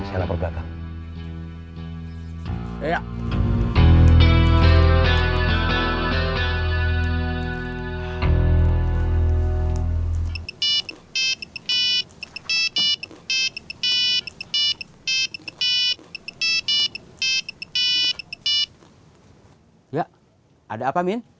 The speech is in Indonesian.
ya ada apa min